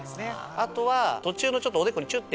あとは。